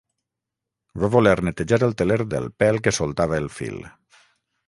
Va voler netejar el teler del pèl que soltava el fil.